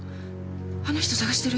あの人捜してる。